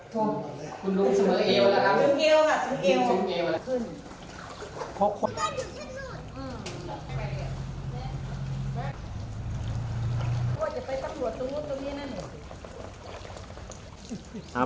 จะไปตรงนี้ตรงด้านหลัง